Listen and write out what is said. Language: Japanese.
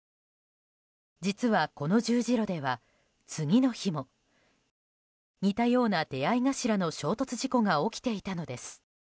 実は、この十字路では次の日も似たような出合い頭の衝突事故が起きていたのです。